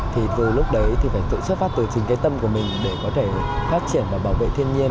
thì từ lúc đấy thì phải tự xuất phát từ chính cái tâm của mình để có thể phát triển và bảo vệ thiên nhiên